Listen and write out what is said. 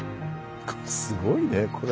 これすごいねこれ。